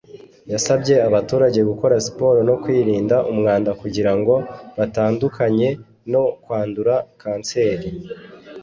yasabye abaturage gukora siporo no kwirinda umwanda kugira ngo batandukane no kwandura kanseri